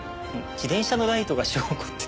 自転車のライトが証拠って。